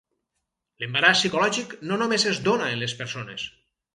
L'embaràs psicològic no només es dóna en les persones.